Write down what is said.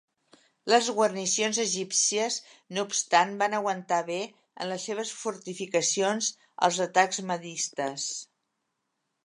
Les guarnicions egípcies no obstant van aguantar bé en les seves fortificacions els atacs mahdistes.